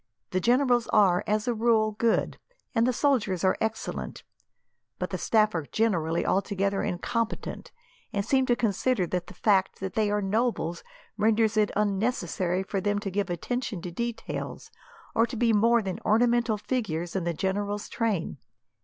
The generals are, as a rule, good, and the soldiers are excellent, but the staff are generally altogether incompetent, and seem to consider that the fact that they are nobles renders it unnecessary for them to give attention to details, or to be more than ornamental figures in the general's train.